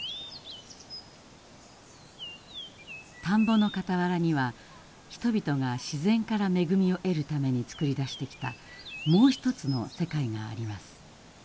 田んぼの傍らには人々が自然から恵みを得るためにつくり出してきたもう一つの世界があります。